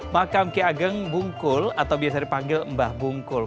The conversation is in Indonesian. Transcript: makam ki ageng bungkul atau biasa dipanggil mbah bungkul